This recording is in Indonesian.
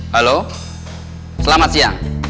halo selamat siang